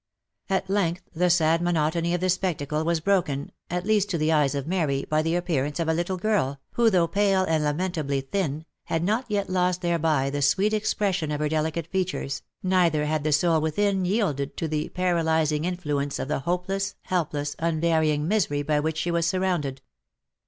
At length the sad monotony of the spectacle was broken, at least to the eyes of Mary, by the appearance of a little girl, who though pale and lamentably thin, had not yet lost thereby the sweet expression of her delicate features, neither had the soul within yielded to the para lyzing influence of the hopeless, helpless, unvarying misery by which she was surrounded.